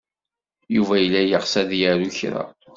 Yuba yella yeɣs ad d-yaru kra.